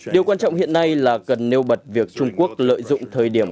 điều quan trọng hiện nay là cần nêu bật việc trung quốc lợi dụng thời điểm